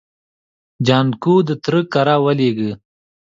جانکو د تره کره ولېږه.